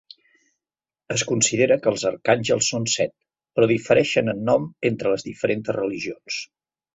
Es consideren que els arcàngels són set, però difereixen en nom entre les diferents religions.